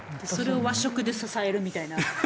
それを和食で支えるみたいな。